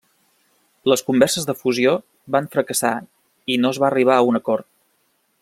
Les converses de fusió van fracassar i no es va arribar a un acord.